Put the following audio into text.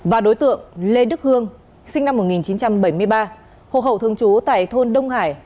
và đối tượng lê đức hương sinh năm một nghìn chín trăm bảy mươi ba hộ khẩu thường trú tại thôn đông hải